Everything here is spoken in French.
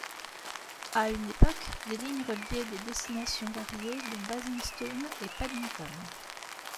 À une époque, des lignes reliaient des destinations variées dont Basingstoke et Paddington.